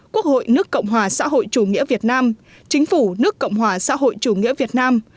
quốc hội nước cộng hòa xã hội chủ nghĩa việt nam chính phủ nước cộng hòa xã hội chủ nghĩa việt nam